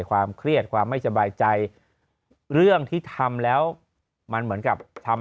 ความเครียดความไม่สบายใจเรื่องที่ทำแล้วมันเหมือนกับทำ